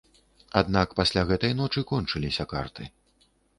Аднак пасля гэтай ночы кончыліся карты.